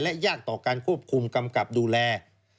และยากต่อการควบคุมกำกับดูแล